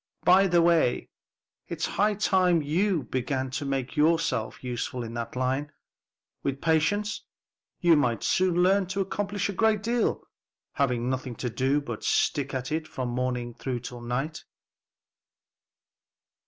By the way, it's high time you began to make yourself useful in that line. With practice, you might soon learn to accomplish a great deal, having nothing to do but stick at it from morning to night."